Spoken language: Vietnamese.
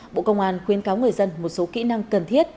bộ công an khuyến cáo người dân một số kỹ năng cần thiết